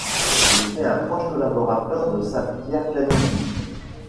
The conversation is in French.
Il était un proche collaborateur de saint Pierre Canisius.